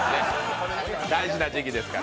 大事な時期ですから。